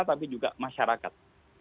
tapi juga masyarakat